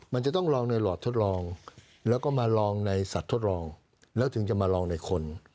มันจะต้องลองในหลอดทดลองแล้วก็มาลองในสัตว์ทดลองแล้วถึงจะมาลองในคน